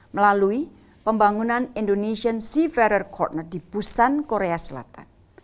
melalui pembangunan indonesian seater corner di busan korea selatan